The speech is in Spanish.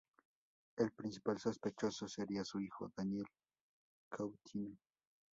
El principal sospechoso sería su hijo Daniel Coutinho.